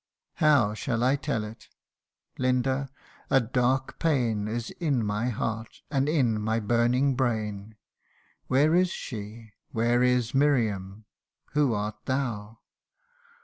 " How shall I tell it ? Linda, a dark pain Is in my heart, and in my burning brain. Where is she ? where is Miriam ? who art thou